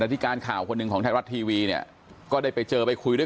ที่การข่าวคนหนึ่งของไทยรัฐทีวีเนี่ยก็ได้ไปเจอไปคุยด้วย